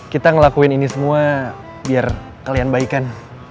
kita ngelakuin ini semua biar kalian baikan